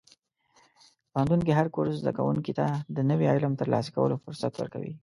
پوهنتون کې هر کورس زده کوونکي ته د نوي علم ترلاسه کولو فرصت ورکوي.